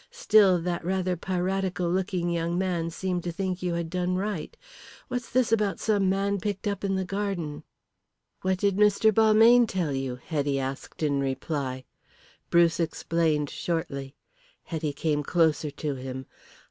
Still, that rather piratical looking young man seemed to think you had done right. What's this about some man picked up in the garden?" "What did Mr. Balmayne tell you?" Hetty asked in reply. Bruce explained shortly. Hetty came closer to him.